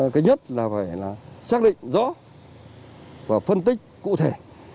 cái nhất là phải xác định rõ và phân tích cụ thể